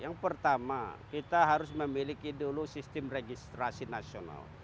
yang pertama kita harus memiliki dulu sistem registrasi nasional